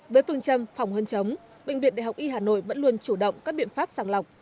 với phương châm phòng hơn chống bệnh viện đại học y hà nội vẫn luôn chủ động các biện pháp sàng lọc